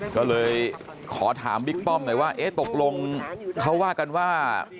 ก็เลยขอถามบิ๊กป้อมหน่อยว่าเอ๊ะตกลงเขาว่ากันว่า